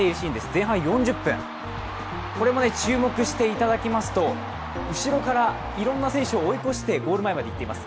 前半４０分、注目してみますと後ろからいろんな選手を追い越してゴール前まで行っています。